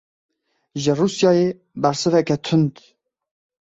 Ji Rûsyayê bersiveke tund.